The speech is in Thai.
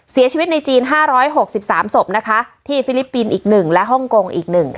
เสียชีวิตในจีน๕๖๓ศพนะคะที่ฟิลิปปินส์อีกหนึ่งและฮ่องกงอีกหนึ่งค่ะ